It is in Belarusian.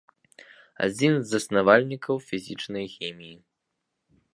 Адзін з заснавальнікаў фізічнай хіміі.